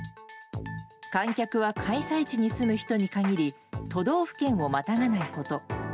観客は開催地に住む人に限り都道府県をまたがないこと。